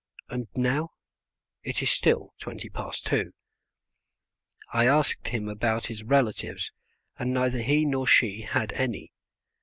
And now? It is still twenty past two. I asked him about his relatives, and neither he nor she had any.